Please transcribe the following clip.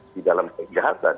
di dalam kejahatan